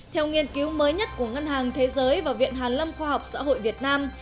theo nghiên cứu mới nhất của ngân hàng thế giới và viện hàn lâm khoa học xã hội việt nam